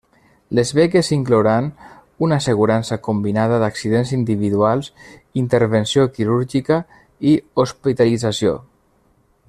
Les beques inclouran una assegurança combinada d'accidents individuals, intervenció quirúrgica i hospitalització.